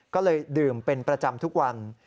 ก็เลยดื่มเป็นประจำทุกวัน